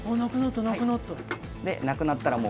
なくなったなくなった。